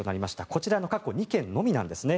こちらの過去２件のみなんです。